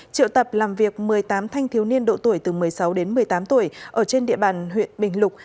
triệu tập làm việc một mươi tám thanh thiếu niên độ tuổi từ một mươi sáu đến một mươi tám tuổi ở trên địa bàn huyện bình lục